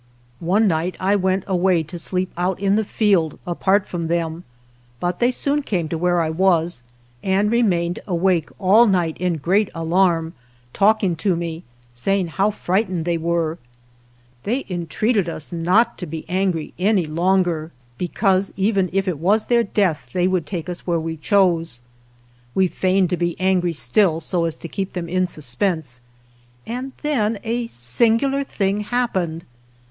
One night I went away to sleep out in the field apart from them; but they soon came to where I was, and remained awake all night in great alarm, talking to me, say ing how frightened they were. They en treated us not to be angry any longer, be cause, even if it was their death, they would take us where we chose. We feigned to be angry still, so as to keep them in suspense, and then a singular thing happened.